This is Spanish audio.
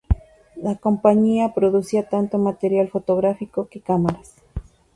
La compañía producía tanto material fotográficos que cámaras.